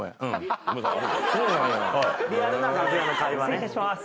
失礼いたします。